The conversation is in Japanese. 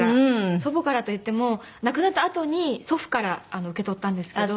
祖母からといっても亡くなったあとに祖父から受け取ったんですけど。